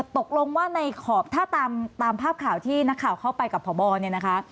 ตกลงว่าในขอบถ้าตามภาพข่าวที่นักข่าวเข้าไปกับพบเนี่ยนะคะ